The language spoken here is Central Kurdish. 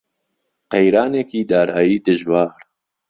قەیرانێکی دارایی دژوار